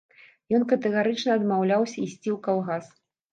Ён катэгарычна адмаўляўся ісці ў калгас.